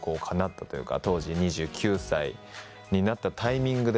当時２９歳になったタイミングで。